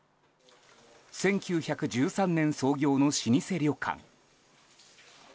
１９１３年創業の老舗旅館。